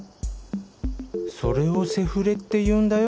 それをセフレって言うんだよ